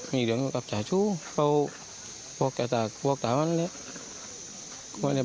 มีเรืองอยู่กับจ่าชู้เขาบวกกระตากบวกกระตาวันนั้นเนี่ย